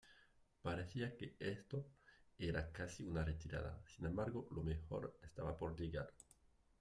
Parecía que esto era casi una retirada, sin embargo lo mejor estaba por llegar.